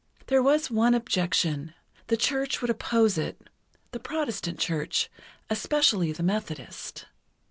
There was one objection: the Church would oppose it—the Protestant Church, especially the Methodist.